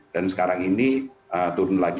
dan sekarang ini turun lagi